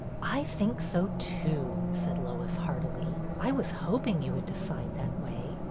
I think so, too," said Lois, heartily. I was hoping you would decide that way."